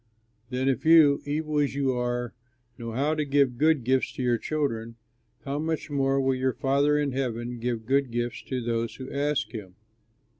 Then if you, evil as you are, know how to give good gifts to your children, how much more will your Father in heaven give good things to those who ask him.